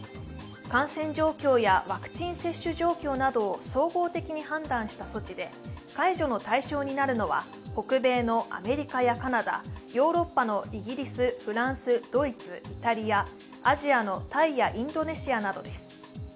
感染状況やワクチン接種状況などを総合的に判断した措置で解除の対象になるのは北米のアメリカやカナダ、ヨーロッパのイギリス、フランス、ドイツ、イタリア、アジアのタイやインドネシアなどです。